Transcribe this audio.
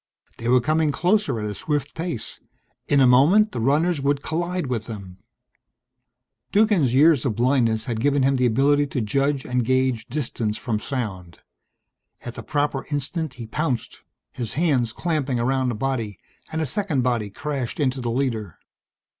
They were coming closer at a swift pace. In a moment the runners would collide with them! Duggan's years of blindness had given him the ability to judge and gauge distance from sound. At the proper instant he pounced, his hands clamping around a body, and a second body crashed into the leader.